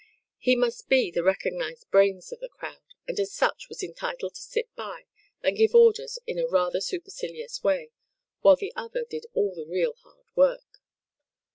He must be the recognized brains of the crowd, and as such was entitled to sit by, and give orders in a rather supercilious way, while the other did all the real hard work.